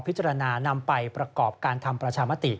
พิจารณานำไปประกอบการทำประชามาติ